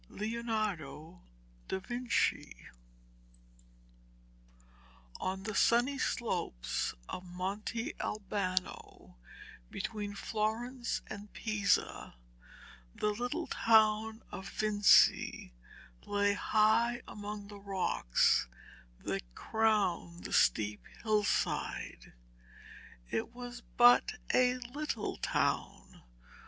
LEONARDO DA VINCI On the sunny slopes of Monte Albano, between Florence and Pisa, the little town of Vinci lay high among the rocks that crowned the steep hillside. It was but a little town.